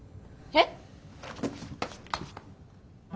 えっ？